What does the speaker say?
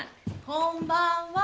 こんばんは。